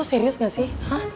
lo serius gak sih